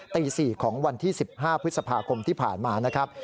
ตี๔ของวันที่๑๕พฤษภาคมที่ผ่านมานะครับ